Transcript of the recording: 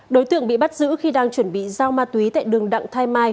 đối tượng bị bắt giữ khi đang chuẩn bị giao ma túy tại đường đặng thái mai